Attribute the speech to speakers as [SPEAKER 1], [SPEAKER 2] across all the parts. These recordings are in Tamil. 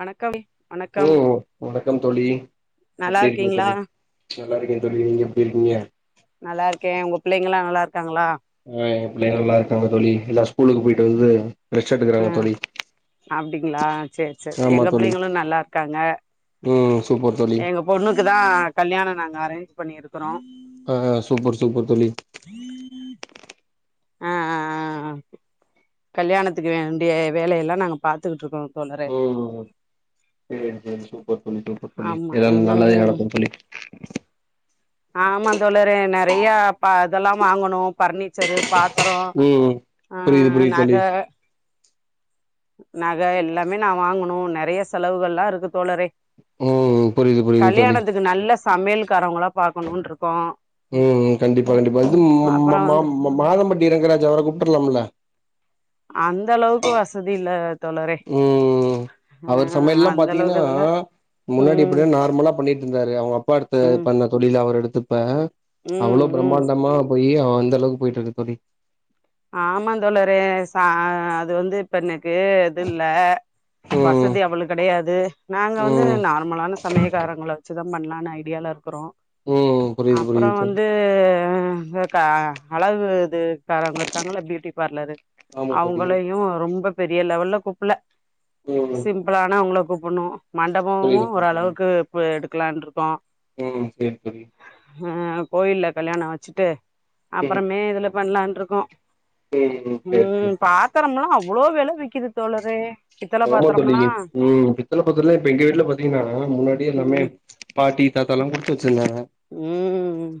[SPEAKER 1] வணக்கம் வணக்கம்
[SPEAKER 2] ம் வணக்கம் தோழி
[SPEAKER 1] நல்லா
[SPEAKER 2] எப்டிருக்கீங்க
[SPEAKER 1] இருக்கீங்களா
[SPEAKER 2] தோழி நல்லாருக்கே தோழி நீங்க எப்டிருக்கீங்க
[SPEAKER 1] நல்லாருக்க உங்க பிள்ளைங்கல்லா நல்லா இருக்காங்களா
[SPEAKER 2] ஆ எ பிள்ளைக நல்லா இருக்காங்க தோழி எல்லா ஸ்கூலுக்கு போயிட்டு வந்து ரெஸ்ட் எடுக்கறாங்க
[SPEAKER 1] ம்
[SPEAKER 2] தோழி
[SPEAKER 1] அப்படிங்களா செரி செரி
[SPEAKER 2] ஆமா
[SPEAKER 1] எங்க
[SPEAKER 2] தோழி
[SPEAKER 1] பிள்ளைங்களும் நல்லா இருக்காங்க
[SPEAKER 2] ம் சூப்பர் தோழி
[SPEAKER 1] எங்க பொண்ணுக்கு தான் கல்யாண நாங்க அரேஞ்ச் பண்ணிிருக்கு றோ
[SPEAKER 2] ஆ சூப்பர் சூப்பர் தோழி
[SPEAKER 1] [inaudible] ஆ கல்யாணத்துக்கு வேண்டிய வேலைய எல்லா நாங்க பாத்துக்கிட்டு இருக்கோ தோழர்
[SPEAKER 2] ஓ செரி செரி சூப்பர் தோழி சூப்பர் தோழி
[SPEAKER 1] ஆமா
[SPEAKER 2] எல்லா நல்லதே
[SPEAKER 1] ம்
[SPEAKER 2] நடக்கும் தோழி
[SPEAKER 1] ஆமாந் தோழரே நெறைய இதெல்லா வாங்கணும் பர்னிச்சரு பாத் ரம்
[SPEAKER 2] ம் புரியுது
[SPEAKER 1] ஆ
[SPEAKER 2] புரியுது
[SPEAKER 1] நக
[SPEAKER 2] தோழி
[SPEAKER 1] நக எல்லாமே நா வாங்கனும் நெறைய செலவுகள் எல்லா இருக்கு தோழரே
[SPEAKER 2] ம் புரியுது புரியுது தோழி
[SPEAKER 1] கல்யாணத்துக்கு நல்ல சமையல்காரவங்களா பாக்கணுன் இருக்கோ
[SPEAKER 2] ம் கண்டிப்பா கண்டிப்பா இது ம்ம் மா
[SPEAKER 1] அப்பறோ
[SPEAKER 2] மா
[SPEAKER 1] வந்து
[SPEAKER 2] மா மாதம்பட்டி இங்கராஜ் அவர கூப்டலாம்ல
[SPEAKER 1] அந்த அளவுக்கு வசதி இல்ல தோழரே
[SPEAKER 2] ம்
[SPEAKER 1] ஆ
[SPEAKER 2] அவர் சமையல் எல்லா
[SPEAKER 1] அந்த
[SPEAKER 2] பாத்தீங்கன்னா
[SPEAKER 1] அளவுக்கு இதுல
[SPEAKER 2] முன்னாடி
[SPEAKER 1] ம்
[SPEAKER 2] இப்டிதா நார்மலா பண்ணிட்டு இருந்தாரு அவங்க அப்பா அடுத்த
[SPEAKER 1] ம்
[SPEAKER 2] பண்ண தொழில அவர் எடுத்துப்ப
[SPEAKER 1] ம்
[SPEAKER 2] அவ்ளோ
[SPEAKER 1] ம்
[SPEAKER 2] பிரம்மாண்டமா போய் அவ அந்த அளவுக்கு போயிட்டு இருக்கு தோழி
[SPEAKER 1] ஆமாந்தோழறே ச அது வந்து இப்ப எனக்கு இது இல்ல
[SPEAKER 2] ம்
[SPEAKER 1] வசதி அவ்ளவு கிடையாது நாங்க வந்து
[SPEAKER 2] ம்
[SPEAKER 1] நார்மலான சமயக்காரங்கள வச் சு தா பண்ணலாம்னு ஐடியாலா இருக்கிறோ
[SPEAKER 2] ம் புரியுது
[SPEAKER 1] அப்றோ
[SPEAKER 2] புரியுது தோழி
[SPEAKER 1] வந்து அ க்கா அழகு இதுக்காரங்க இருக்காங்ள பியூட்டி பார்லரு
[SPEAKER 2] ஆமா தோழி
[SPEAKER 1] அவுங்களையு ரொம்ப பெரிய லெவல்ல கூப்பல்ல
[SPEAKER 2] ம்
[SPEAKER 1] சிம் ளானாவுங்கள கூப்பண்ணு மண்டபமு
[SPEAKER 2] புரியுது தோழி
[SPEAKER 1] ஓரளவுக்கு எடுக்கலானு இருக்கோ
[SPEAKER 2] ம் சேரி தோழி
[SPEAKER 1] அ கோயில்ல கல்யாணோ வச்சுட்டு
[SPEAKER 2] ம்
[SPEAKER 1] அப்புறமே இதுல பண்ணலானு இருக்கோ
[SPEAKER 2] ம் சேரி சேரி
[SPEAKER 1] ம் பாத்திரம் எல்லா அவ்ளோ விலவிக்குது தோழரே பித்தள
[SPEAKER 2] ஆமா தோழி
[SPEAKER 1] பாத்தரம்லா
[SPEAKER 2] ம் பித்தல பத்தரல்லா இப்ப எங்க வீட்டுல பாத்தீங்கன்னா முன்னாடி எல்லாமே
[SPEAKER 1] ம்
[SPEAKER 2] பாட்டி தாத்தாலா குடுத்து வச்சிருந்தாங்க
[SPEAKER 1] ம்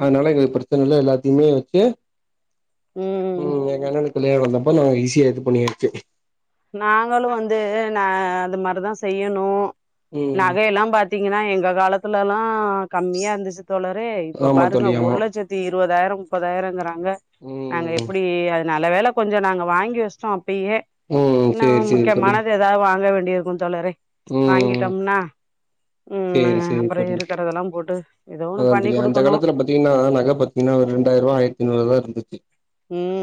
[SPEAKER 2] அதனால எங்க பிரச்சன இல்லா எல்லாத்தையுமே வச்சு
[SPEAKER 1] ம்
[SPEAKER 2] ம் எங்க அண்ணாக்கு கல்யாணோ வந்தப்ப நாங்க ஈஸியா இது பண்ணியாச்சு
[SPEAKER 1] நாங்களு வந்து நா அந்த மாரிதா செய்யணு
[SPEAKER 2] ம்
[SPEAKER 1] நகையெல்லா பா த்தீங்கன்னா எங்க காலத்துல எல்லா கம்மியா இருந்துச்சு தோழரே இப்ப
[SPEAKER 2] ஆமா
[SPEAKER 1] பாருங்க
[SPEAKER 2] தோழி ஆமா
[SPEAKER 1] ஒரு லட்சத் தி இருபதாயிரோ முப்பதாயிரோ இங்கிறாங்க நாங்க
[SPEAKER 2] ம்
[SPEAKER 1] எப்டி அ நல்ல வேல கொஞ்சோ நாங்க வாங்கி வச்சிட்டோ அப்பயே
[SPEAKER 2] ம்
[SPEAKER 1] இன்னு
[SPEAKER 2] சேரி சேரி தோழி
[SPEAKER 1] முக்கியமானது ஏதாது வாங்க வேண்டிய இருக்கு தோழரே
[SPEAKER 2] ம்
[SPEAKER 1] வாங்கிட்டோம்னா ம் அ
[SPEAKER 2] சேரி சேரி
[SPEAKER 1] அப்றோ
[SPEAKER 2] தோழி
[SPEAKER 1] இருக்கிறதெல்லா போட்டு ஏதோ ஒண்ணு பண்ணி கொடுக்கணு
[SPEAKER 2] திங்னா நகப்பத்திங்கன்னா ஒரு ரெண்டாயிரூா ஆயிரத்தி நூரோதா இருந்துச்சு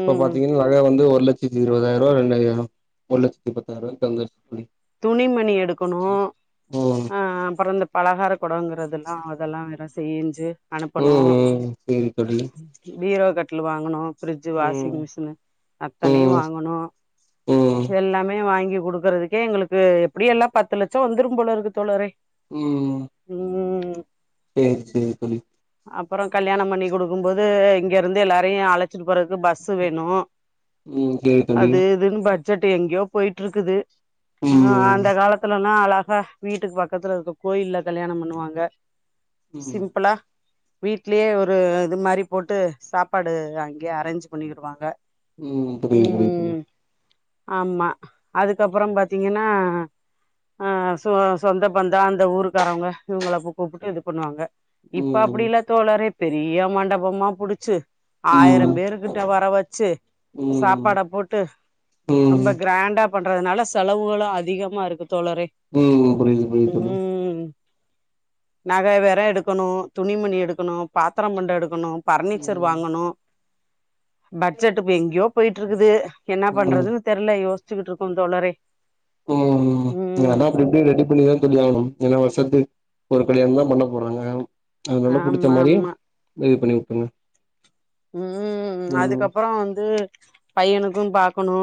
[SPEAKER 2] இப்ப பாத்தீங்கன்னா நக வந்து ஒரு லட்சத் இருபதாயிரூவா ரெண்டாயிரம் ஒரு லட்சத்தி பத்தாயிரூபாகிட்ட வந்துருச்
[SPEAKER 1] துணிமணி எடுக்கணு
[SPEAKER 2] ம்
[SPEAKER 1] அ அப்றோ இந்த பலகார குடங்குறதெல்லா அதெல்லா வேற சேய்ஞ்சி
[SPEAKER 2] ம் ம் சேரி தோழி
[SPEAKER 1] பீரோ கட்லு வாங்கணு ஃப்ரிட்ஜி வாஷிங்
[SPEAKER 2] ம்
[SPEAKER 1] மிஷினு அப் அத்தனையு
[SPEAKER 2] ம்
[SPEAKER 1] வாங்கணு
[SPEAKER 2] ம்
[SPEAKER 1] எல்லாமே வாங்கி குடுக்கறதுக்கே எங்களுக் கு எப்டியோ எல்லா பத்து லட்சோ வந்துரு போலயிருக்கு தோழரே
[SPEAKER 2] ம் ம்
[SPEAKER 1] ம்ம்
[SPEAKER 2] சேரி சேரி தோழி
[SPEAKER 1] அப்றோ கல்யாணோ பண்ணி குடுக்கு போது இங்கயிருந்து எல்லாரையு அழச் சிட்டு போறதுக்கு பஸ்சு வேணு
[SPEAKER 2] ம் சேரி தோழி
[SPEAKER 1] அது இதுன்னு பட் ஜெட்டு எங்கயோ போய்ட்டுயிருக்குது அ
[SPEAKER 2] ம்
[SPEAKER 1] அந்த காலத்துல நா அழகா வீட்டுக்கு பக்கத்துல இருக்க கோயில்ல கல்யாணம் பண்ணுவாங்க
[SPEAKER 2] ம்
[SPEAKER 1] சிம்பிளா வீட்லயே ஒரு இது மாரி போட்டு சாப்பாடு அங்கயே அரேஞ்ச் பண்ணிருவாங்க
[SPEAKER 2] ம் புரிது புரிது புரிது
[SPEAKER 1] ஆமா அதுக்கப்றோ பாத்தீங்கன்னா அ சொ சொந்த பந்தோ அந்த ஊருக்காரவங்க இவுங்கள கூப்புட்டு இது பண்ணுவாங்க இப்ப
[SPEAKER 2] ம்
[SPEAKER 1] அப்டியில்ல தோழரே பெரிய மண்டபமா புடுச்சு
[SPEAKER 2] ம்
[SPEAKER 1] ஆயிரம் பேருக்கிட்ட வர வச்சு சாப்பாட போட்டு
[SPEAKER 2] ம் ம்
[SPEAKER 1] ரொம்ப கிராண்டா பண்றதுனால செலவுகளு அதிகமாயிருக்கு தோழரே
[SPEAKER 2] ம் ம் புரிது புரிதுங்க
[SPEAKER 1] ம் நக வேற எடுக்கணு துணிமணி எடுக்கணு பாத்திரோ பண்டோ எடுக்கணு ஃபர்னிச்சர்
[SPEAKER 2] ம்
[SPEAKER 1] வாங்கணு பட்ஜெட்டு இப்ப எங்கேயோ போயிட்ருக்குது என்ன
[SPEAKER 2] ம்
[SPEAKER 1] பண்றதுன் தெர்ல யோஸ்ச்சுகிட்ருக்கோ தோழரே
[SPEAKER 2] ம் ம் ஆனா அப்டி இப்டி ரெடி பண்ணிதா தோழி ஆகணும் ஏன்னா வர்ஷத்துக் ஒரு கல்யாணோ தா பண்ண போறாங்க அதனால புடிச்ச
[SPEAKER 1] ஆமா
[SPEAKER 2] மாரி
[SPEAKER 1] ஆமா
[SPEAKER 2] ஏன் இத்தன் நாள் பண்ல
[SPEAKER 1] ம் அதுக்கப்பறோ வந்து பைய்யனுக்கு பாக்கணு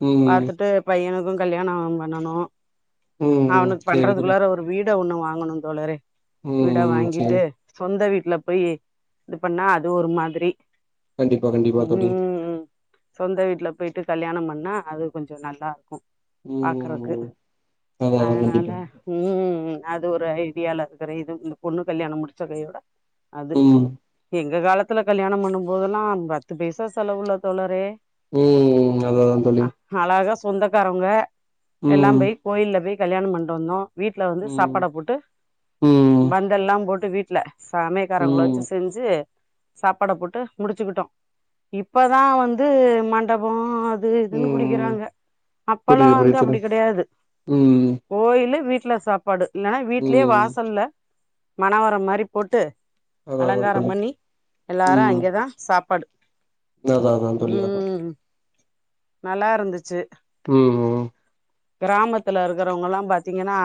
[SPEAKER 2] ம்
[SPEAKER 1] பாத்துட்டு பையனுக்கு கல்யாணம் பண்ணனு
[SPEAKER 2] ம்
[SPEAKER 1] அவனுக்கு
[SPEAKER 2] சேரி தோழி
[SPEAKER 1] பண்றதுக்குள்ளாற ஒரு வீட் ட ஒன்னு வாங்கணு தோழரே வீட
[SPEAKER 2] ம் சேரி
[SPEAKER 1] வாங்கிட்டு சொந்த வீட்ல போய் இது பண்ணா அது ஒரு மாதிரி
[SPEAKER 2] கண்டிப்பா கண்டிப்பா தோழி
[SPEAKER 1] ம் சொந்த வீட்ல போயிட்டு கல்யாணோ பண்ணா அது கொஞ்சோ நல்லாருக்கோ பாக்குறக்கு
[SPEAKER 2] ம் அதா அதா
[SPEAKER 1] அதனால
[SPEAKER 2] கண்டிப்பா
[SPEAKER 1] ம் அது ஒரு ஐடியால இருக்குறே இது இந்த பொண்ணு கல்யாணோ முடிச்ச கையோட அது
[SPEAKER 2] ம்
[SPEAKER 1] எங்க காலத்துல கல்யாணம் பண் பண்ணும்போதுல்லா பத்து பைசா செலவுயில்ல தோழரே
[SPEAKER 2] ம் அதா தோழி
[SPEAKER 1] அஹ் அழகா சொந்தக்காரவங்க எல்லா
[SPEAKER 2] ம்
[SPEAKER 1] போய் கோயில்ல போய் கல்யாணோ பண்ட்டு வந்தோ வீட்ல வந்து
[SPEAKER 2] ம்
[SPEAKER 1] சாப்பாட போட்டு
[SPEAKER 2] ம்
[SPEAKER 1] பந்தல்லா போட்டு வீட்ல சமையக்காரவ்ங்ள
[SPEAKER 2] ம்
[SPEAKER 1] வெச்சு செஞ்சு சாப்பாட போட் டு முடிச்சுக்கிட்டோ இப்பதா வந்து மண்டபோ அத் து இதுன்
[SPEAKER 2] ம்
[SPEAKER 1] புடிக்கிறாங்க அப்பல்லா
[SPEAKER 2] புரியுது
[SPEAKER 1] வந்து
[SPEAKER 2] புரியுது தோழி
[SPEAKER 1] அப்டி கடயாது
[SPEAKER 2] ம்
[SPEAKER 1] கோயில்லு வீட்ல சாப்பாடு இல்லன்னா வீட்லயே
[SPEAKER 2] ம்
[SPEAKER 1] வாசல்ல மணவர மாரி போட்டு
[SPEAKER 2] அதா அதா
[SPEAKER 1] அலங்காரம்
[SPEAKER 2] தோழி
[SPEAKER 1] பண்ணி எல்லாரு
[SPEAKER 2] ம்
[SPEAKER 1] அங்க அ சாப்பாடு
[SPEAKER 2] அதா அதா தோழி அதா
[SPEAKER 1] ம் நல்லாயிருந்துச்சு
[SPEAKER 2] ம் ம்
[SPEAKER 1] கிராமத்துல இருக்கறவங்கள்லா பாத்தீங்கன்னா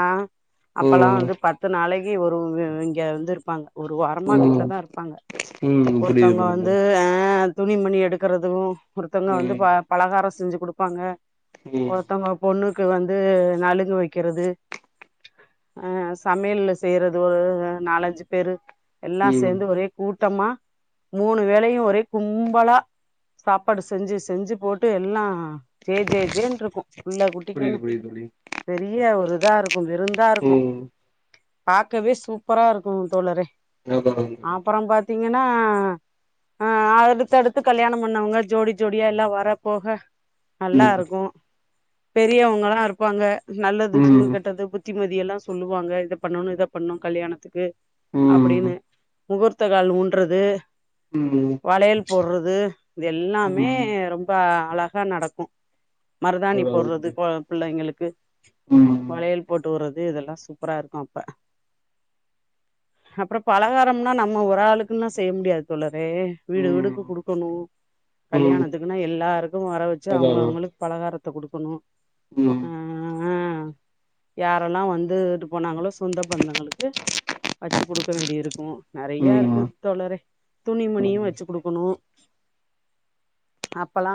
[SPEAKER 1] அப்பல்லா
[SPEAKER 2] ம்
[SPEAKER 1] வந்து பத்து நாளைக் நெருங்கிய ஒரவுங்க இங்க வந்து இருப்பாங்க ஒரு வாரமா வீட்ல
[SPEAKER 2] ம்
[SPEAKER 1] தா இருப்பாங்க
[SPEAKER 2] ம் புரியுது
[SPEAKER 1] ஒருத்தவங்க வந்து
[SPEAKER 2] புரியுது
[SPEAKER 1] ஆ துணிமணி எடுக்கறது ஒருத்தவங்க வந்து
[SPEAKER 2] ம்
[SPEAKER 1] ப பலகார செஞ்சு குடுப்பாங்க
[SPEAKER 2] ம்
[SPEAKER 1] ஒருத்தங்க பொண்ணுக்கு வந்து நலங்கு வெக்கறது அ சமையல்ல செய்யறது ஒரு நாலஞ்சு பேரு எல்லா
[SPEAKER 2] ம்
[SPEAKER 1] சேந்து ஒரே கூட்டமா மூணு வேளயு ஒரே கும்பலா சாப்பாடு செஞ்சு செஞ்சு போட்டு எல்லா ஜே ஜே ஜேன்ருக்கு புள்ள குட்டிக்கு
[SPEAKER 2] [unintelligible] லீவ்
[SPEAKER 1] பெரிய ஒரு இதாருக்கு விருந்தா இருக்கு
[SPEAKER 2] ம்
[SPEAKER 1] பாக்கவே சூப்பரா இருக்கு தோழரே
[SPEAKER 2] என்ன பண்றது
[SPEAKER 1] அப்பறோ பாத்தீங்கன்னா ஆ அடுத்தடுத்து கல்யாணம் பண்ணவங்க ஜோடி ஜோடியா எல்லா வரப் போக நல்லா
[SPEAKER 2] ம்
[SPEAKER 1] இருக்கு பெரியவங்கல்லா இருப்பாங்க நல்லதுக்கு
[SPEAKER 2] ம்
[SPEAKER 1] கெட்டது புத்திமதியல்லா சொல்லுவாங்க இத பண்ணணு இத பண்ணு கல்யாணத்துக்கு அப்டின்னு
[SPEAKER 2] ம்
[SPEAKER 1] முகூர்த்த கால் ஊன்றது
[SPEAKER 2] ம் ஒ
[SPEAKER 1] வளையல் போடுறது இது எல்லாமே
[SPEAKER 2] ம்
[SPEAKER 1] ரொம்ப அழகா நடக்கு மருதாணி போடுறது கொ பிள்ளைங்களுக்கு
[SPEAKER 2] ஆமா
[SPEAKER 1] வளையல் போட்டு உறது இதல்லா சூப்பரா இருக்கு அப்ப அப்றோ பலகாரம்னா நம்ம ஒரு ஆளுக்குன்னா செய்ய முடியாது தோழரே வீடு வீடுக்கு
[SPEAKER 2] ம்
[SPEAKER 1] குடுக்கணு
[SPEAKER 2] ம்
[SPEAKER 1] கல்யாணத்துக்குன்னா எல்லாருக்கு வர வச்சு
[SPEAKER 2] அதா அதா
[SPEAKER 1] அவங்கவுங்களுக்கு பலகாரத்த குடுக்கணு
[SPEAKER 2] ம்
[SPEAKER 1] அ ஆ யாரெல்லா வந்துட்டு போனாங்களோ சொந்த பந்தங்களுக்கு வச்சு குடுக்க வேண்டி இருக்கு நெறைய இருக்கு
[SPEAKER 2] ம்
[SPEAKER 1] தோழரே துணிமணியு வச்சு குடுக்கணு அப்பல்லா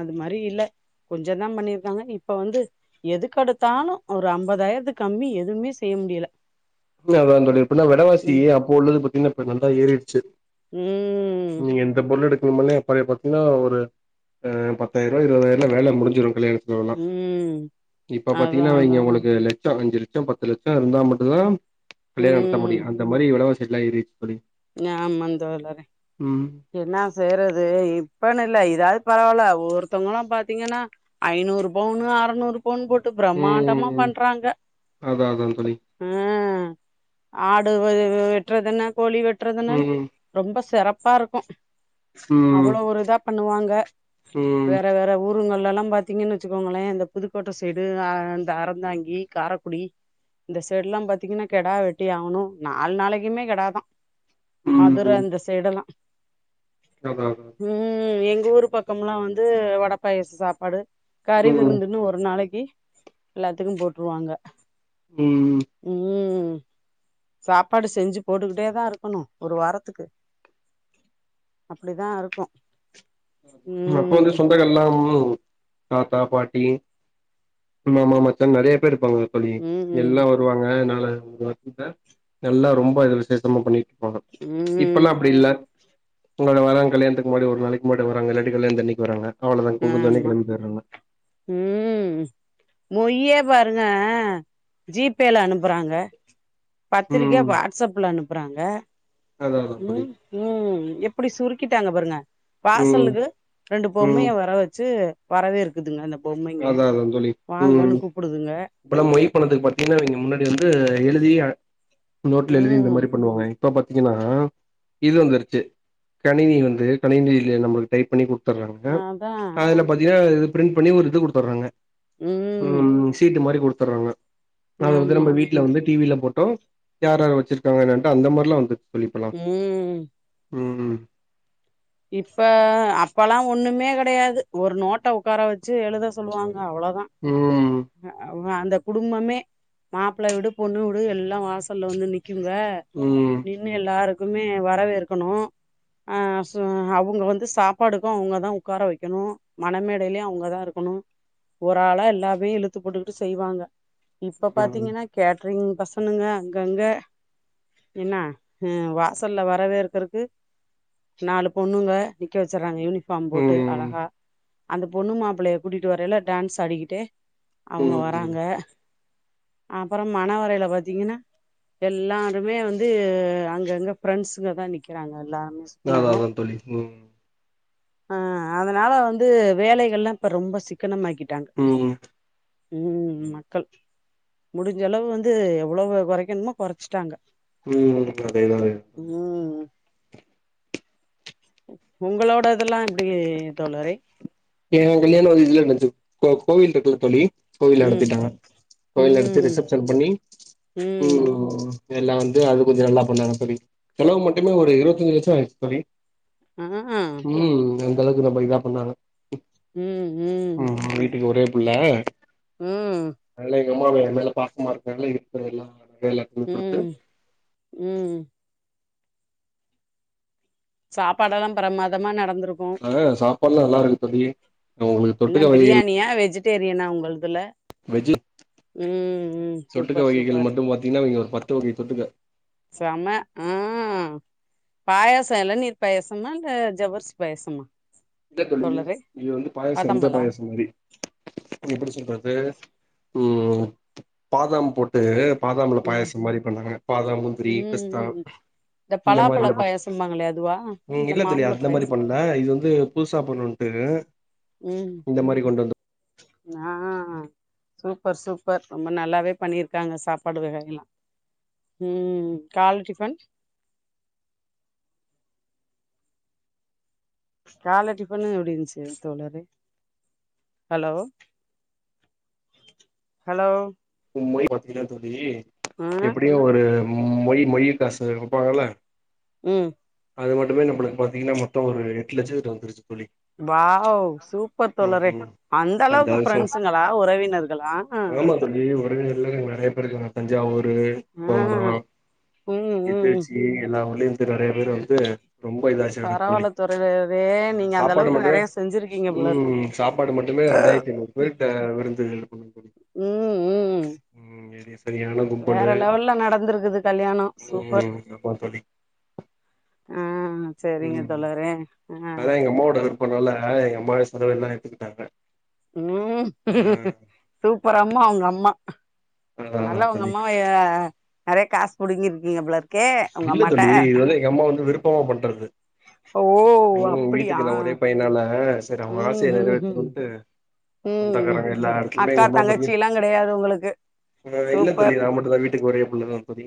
[SPEAKER 1] அது மாரி இல்ல கொஞ்சதா பண்ணிருக்காங்க இப்ப வந்து எதுக்கெடுத்தாலு ஒரு ஐம்பதாயிரத்து கம்மி எதுவுமே செய்ய முடியல
[SPEAKER 2] இல்ல அதா தோழி இப்பெல்லா வெலவாசி
[SPEAKER 1] ம்
[SPEAKER 2] அப்போ உள்ளது பாத்தீங்கனா இப்ப நல்லா ஏறிடுச்சு
[SPEAKER 1] ம்
[SPEAKER 2] நீங்க எந்த பொருள் எடுக்கணுமாலேப்பற பாத்தீங்கன்னா ஒரு ஆ பத்தாயிருப இருபாயிரல வேல முடிஞ்சிடு கல்யாண செலவெல்ல
[SPEAKER 1] ம்
[SPEAKER 2] இப்ப
[SPEAKER 1] அதா
[SPEAKER 2] பாத்தீங்கன்னா
[SPEAKER 1] அதா
[SPEAKER 2] வைங்க உங்களுக்கு லச்சோ அஞ்சு லச்சோ பத்து லச்சோ இருந்தா மட்டுதா கல்யாண நடத்த
[SPEAKER 1] ம்
[SPEAKER 2] முடியு அந்த மாரி வெலவாசி எல்லா ஏறிருச்சு தோழி
[SPEAKER 1] ஆமாந் தோழரே
[SPEAKER 2] ம்
[SPEAKER 1] என்னா செய்றது இப்பன்னு இல்ல இதாவது பரவாயில்ல ஒருத்தவங்கல்லா பாத்தீங்கன்னா ஐநூறு பவுன்னு அறநூறு பவுன்னு போட்டு பிரம்மாண்டமா
[SPEAKER 2] ம்
[SPEAKER 1] பண்றாங்க
[SPEAKER 2] அதா அதா தோழி
[SPEAKER 1] அ ஆடு வெட்றதென கோழி வெட்றதென்னனு
[SPEAKER 2] ம்
[SPEAKER 1] ரொம்ப சிறப்பா இருக்கு
[SPEAKER 2] ம்
[SPEAKER 1] அவ்ளோ ஒரு இதா பண்ணுவாங்க
[SPEAKER 2] ம்
[SPEAKER 1] வேற வேற ஊருங்கள்லல்லா பாத்தீங்கன்னு வச்சுக்கோங்களே இந்த புதுக்கோட்ட சைடு அ இந்த அறந்தாங்கி காரக்குடி இந்த சைட் எல்லா பாத்தீங்கன்னா கெடா வெட்டி ஆகணு நாலு நாளைக்குமே கெடா தா மதுர
[SPEAKER 2] ம்
[SPEAKER 1] அந்த சைடெல்லா
[SPEAKER 2] அதா
[SPEAKER 1] ம் எங்க ஊரு பக்கமெல்லா வந்து வடப்பாயச சாப்பாடு கறி
[SPEAKER 2] ம்
[SPEAKER 1] விருந்துன்னு ஒரு நாளைக்கி எல்லாத்துக்கு போட்ருவாங்க
[SPEAKER 2] ம்
[SPEAKER 1] ம் சாப்பாடு செஞ்சு போட்டுக்கிட்டே தா இருக் குனு ஒரு வாரத்துக்கு அப்டிதா இருக்கு
[SPEAKER 2] ம் அப்ப வந்து சொந்தங்கள் எல்லாமும் தாத்தா பாட்டி மாமா மாச்சான்னு நெறைய பேரு இருப்பாங்கல்ல தோழி
[SPEAKER 1] ம்
[SPEAKER 2] எல்லா
[SPEAKER 1] ம்
[SPEAKER 2] வருவாங்க அதனால [unintelligible] நல்லா ரொம்ப இது விசேஷமா பண்ணிட்டு இருப்பங்க
[SPEAKER 1] ம்
[SPEAKER 2] இப்பெல்லா அப்டி இல்ல உங்களோட வர கல்யாணத்துக்கு முன்னாடி ஒரு நாளைக்கு முன்னாடி வராங்க இல்லாட்டி கல்யாணத்தன்னிக்கு வராங்க அவ்ளோ தா குமுஞ்ச
[SPEAKER 1] ஆமா
[SPEAKER 2] அன்னிக்கு நம்ம பேர்ரதுதா
[SPEAKER 1] ம் மொய்யே பாருங்க ஜீ பேல அனுப்புறாங்க பத்திரிக்க
[SPEAKER 2] ம்
[SPEAKER 1] வாட்ஸ்ப்ல அனுப்புறாங்க
[SPEAKER 2] அதா அதா தோழி
[SPEAKER 1] உம் ம் எப்டி சுருக்கிட்டாங்க பாருங்க
[SPEAKER 2] ம்
[SPEAKER 1] வாசலுக்கு ரெண்டு
[SPEAKER 2] ம்
[SPEAKER 1] பொம்மைய வர வச்சு வரவேற்குதுங்க அந்த பொம்மைங்க
[SPEAKER 2] அதா
[SPEAKER 1] வாங்கன்னு கூப்டுதுங்க
[SPEAKER 2] இப்போல்லா மொய் பணத்துக்கு பாத்தீங்கன்னா நீங்க முன்னாடி வந்து எழுதி நோட்ல எழுதி இந்த
[SPEAKER 1] ம்
[SPEAKER 2] மாதிரி பண்ணுவாங்க இப்ப பாத்தீங்கன்னா இது வந்துருச்சு கணினி வந்து கணினில நம்ளுக்கு டைப் பண்ணி குடுத் துர்றாங்க
[SPEAKER 1] அதா
[SPEAKER 2] அதுல பாத்தீங்கன்னா பிரிண்ட் பண்ணி ஒரு இது குடுத்துர்றாங்க
[SPEAKER 1] உம்
[SPEAKER 2] ம் சீட்டு மாதிரி குடுத்துர்றாங்க அத வந்து
[SPEAKER 1] ஆமா
[SPEAKER 2] நம்ம வீட்ல வந்து டிவில போட்டோ யார் யாரு வச்சிருக்காங்க என்னன்ட்டு அந்த மாதிரில்லா வந்துருக்கு இப்பலா
[SPEAKER 1] ம்
[SPEAKER 2] உம்
[SPEAKER 1] இப்ப அப்பல்லா ஒண்ணுமே கெடையாது ஒரு நோட்ட உக்கார வச்சு எழுத சொல்லுவாங்க அவ்ளோதா
[SPEAKER 2] உம்
[SPEAKER 1] அந்த குடும்பமே மாப்ள வீடு பொண்ணு வீடு எல்லா வாசல்ல வந்து நிக்குங்க
[SPEAKER 2] ம்
[SPEAKER 1] நின்னு எல்லாருக்குமே வரவேற்கணு ஆ அவுங்க வந்து சாப்பாடுக்கு அவுங்கதா உக்கார வெக்கணு மண மேடையிலயு அவுங்கதா இருக்கணு ஒராளா எல்லாமே இழுத்து போட்டுக்கிட்டு செய்வாங்க இப்ப
[SPEAKER 2] ம்
[SPEAKER 1] பாத்தீங்கன்னா கேட்ரிங் பசனுங்க அங்கங்க இன்னா வாசல்ல வரவேற்குறக்கு நாலு பொண்ணுங்க நிக்க வச்சுர்றாங்க யூனிஃபார்ம் போட்டு
[SPEAKER 2] ம்
[SPEAKER 1] அழகா அந்த பொண்ணு மாப்ளைய கூட்டிட்டு வரயில டான்ஸ் ஆடிகிட்டே அவுங்க
[SPEAKER 2] ம்
[SPEAKER 1] வராங்க அப்பறோ மணவறையில பாத்தீங்கன்னா எல்லாருமே வந்து அங்க அங்க பிரெண்ட்ஸுங்க தா நிக்கிறாங்க எல்லா
[SPEAKER 2] தாதாதான் தோழி உம்
[SPEAKER 1] அ அத்னால வந்து வேலைகளெல்லா இப்ப ரொம்ப சிக்கனமாக்கிட்டாங்க
[SPEAKER 2] ம்
[SPEAKER 1] உம் மக்கள் முடிஞ்சளவு வந்து எவ்வளவோ கொறக்கணுமோ கொறச்ட்டாங்க
[SPEAKER 2] ம் அதேதா அதே
[SPEAKER 1] உம் ஒங்களோடதெல்லா எப்டி தோழரே
[SPEAKER 2] ஏ கல்யாணோ இதுல நடந்த்ச்சு கோவில் இருக்குல்ல தோழி கோவில்ல
[SPEAKER 1] ம்
[SPEAKER 2] நடத்திட்டாங்க கோயில் நடத்தி
[SPEAKER 1] ம்
[SPEAKER 2] ரிசப்ஷன் பண்ணி ம் இத எல்லா வந்து அது கொஞ்சோ நல்லா பண்ணாங்க தோழி செலவு மட்டுமே ஒரு இருவத்தஞ்சு லட்சோ ஆயிச்சு தோழி
[SPEAKER 1] உ ம் ம்
[SPEAKER 2] ம் அந்தளவுக்கு நம்ம இதா பண்ணாங்க
[SPEAKER 1] ம் உம்
[SPEAKER 2] ம் வீட்டுக்கு ஒரே புள்ள
[SPEAKER 1] ம்
[SPEAKER 2] எவ்வளோ ஏ மேல பாசமா இருக்கால்ல இருக்கு எல்லா வேல
[SPEAKER 1] ம் ம் சாப்பாடெல்லா பிரம்மாதமா நடந்துருக்கு
[SPEAKER 2] ஆ சாப்பாடெல்லா நல்லாருக்கு தொழி
[SPEAKER 1] என்ன பிரியாணியா வெஜிடேரியனா உங்கள்துல
[SPEAKER 2] வெஜில
[SPEAKER 1] ம் ம்
[SPEAKER 2] தொட்டுக்க
[SPEAKER 1] சூப்பர்
[SPEAKER 2] வகைகள்
[SPEAKER 1] சூப்பர்
[SPEAKER 2] மட்டு பாத்தீங்கன்னாங்க அவிங்க ஒரு பத்து வகை தொட்டுக்க
[SPEAKER 1] செம ஆ பாயாசோ இளநீர் பாயாசமா இல்ல ஜவ்வரிசி பாயாசமா
[SPEAKER 2] இல்ல தோழி
[SPEAKER 1] தோழரே
[SPEAKER 2] இது வந்து பாயாசோ இந்த
[SPEAKER 1] வாதாம்பழா
[SPEAKER 2] பாயாசோ மாரி எப்டி சொல்றது ம் பாதாம் போட் து பாதாம் மில்க்
[SPEAKER 1] ம்
[SPEAKER 2] பாயாசோ மாரி பண்ணாங்க பாதாம் முந்திரி
[SPEAKER 1] ம்
[SPEAKER 2] பிஸ்தா
[SPEAKER 1] ம்
[SPEAKER 2] இந்த
[SPEAKER 1] பலாப்பழ
[SPEAKER 2] மாரிலா போட்டு
[SPEAKER 1] பாயாசம்பாங்களே அதுவா
[SPEAKER 2] ம் இல்ல தோழி
[SPEAKER 1] மாம்பழ
[SPEAKER 2] அந்த
[SPEAKER 1] பாயாச
[SPEAKER 2] மாரி பண்ல ல இது வந்து புதுசா பண்ணணுண்ட்டு
[SPEAKER 1] ம் நா சூப்பர் சூப்பர் ரொம்ப நல்லாவே பண்ணிருக்காங்க சாப்பாடு வகையெல்லா ம் கால்ல டிஃபன் கால்ல டிஃபனு எப்டி இருந்ச்சு தோழரே ஹலோ ஹலோ
[SPEAKER 2] ம் மொய் பாத்தீங்கன்னா தோழி
[SPEAKER 1] ஆ
[SPEAKER 2] எப்டியு ஒரு மொய் மொய் காசு வெப்பாங்கள்ல
[SPEAKER 1] ம்
[SPEAKER 2] அது மட்டுமே நம்மளுக்கு பாத்தீங்கன்னா மொத்தோ ஒரு எட்டு லட்சத்துகிட்ட வந்துருச்சு தோழி
[SPEAKER 1] வாவ் சூப்பர்
[SPEAKER 2] ம்
[SPEAKER 1] தோழரே
[SPEAKER 2] ம்
[SPEAKER 1] அந்த அளவுக்கு ஃப்ரெண்ஸுங்களா உறவினர்களா
[SPEAKER 2] ஆமா தோழி உறவினர்கள்லா எனக் நறைய பேர் இருக்காங்க தஞ்சாவூரு போகனோ
[SPEAKER 1] ம் ம் ம்
[SPEAKER 2] திருச்சி எல்லா ஊர்லயு து நறைய பேர் வந்து ரொம்ப இதாச்சு தோழி
[SPEAKER 1] பரவால்ல தோழரே
[SPEAKER 2] ம்
[SPEAKER 1] நீங்க அந்த
[SPEAKER 2] சாப்பாடு
[SPEAKER 1] அளவுக்கு
[SPEAKER 2] மட்டுமே
[SPEAKER 1] நெறைய செஞ்சிருக்கீங்க போல இருக்கு
[SPEAKER 2] ம் சாப்பாடு மட்டுமே ரெண்டாய்ர்த்தி ஐநூறு பேர்கிட்ட விருந்து பண்ணு தோழி
[SPEAKER 1] ம் ம்
[SPEAKER 2] ம் இது சரியான
[SPEAKER 1] வேற
[SPEAKER 2] கும்பலு
[SPEAKER 1] லெவல்ல நடந்திருக்குது கல்யாணோ சூப்பர்
[SPEAKER 2] ம் ஆமா தோழி
[SPEAKER 1] ஆ செரிங்க
[SPEAKER 2] ம்
[SPEAKER 1] தோழரே ஆ
[SPEAKER 2] அதா அம்மாவோட இப்பனால எங்க அம்மாவே சலவெல்லா எடுத்துக்குட்டாங்க
[SPEAKER 1] ம் சூப்பர் அம்மா உங்க அம்மா
[SPEAKER 2] அதா அதா
[SPEAKER 1] நல்லா உங்க
[SPEAKER 2] தோழி
[SPEAKER 1] அம்மாவைய நறைய காசு புடுங்கிருக்கீங்க போல இருக்
[SPEAKER 2] இல்ல தோழி இது வந்து எங்க அம்மா வந்து விருப்பமா பண்றது
[SPEAKER 1] ஓ
[SPEAKER 2] ம்
[SPEAKER 1] அப்படியா
[SPEAKER 2] வீட்டுக்கு நா ஒரே பையனால செரி அவ
[SPEAKER 1] ம்
[SPEAKER 2] ஆசைய
[SPEAKER 1] ம் ம்
[SPEAKER 2] நெறவேத்தனுன்ட்டு
[SPEAKER 1] ம்
[SPEAKER 2] சொந்தக்காரங்க எல்லா எடத்திலியுமே
[SPEAKER 1] அக்கா
[SPEAKER 2] எங்க அம்மா பத்தி
[SPEAKER 1] தங்கச்சில்லா கெடையாது உங்களுக்கு
[SPEAKER 2] ஆ இல்ல
[SPEAKER 1] சூப்பர்
[SPEAKER 2] தோழி நா மட் டுதா வீட்டுக்கு ஒரே புள்ளதா தோழி